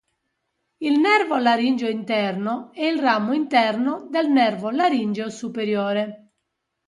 Il "nervo laringeo interno" è il ramo interno del nervo laringeo superiore.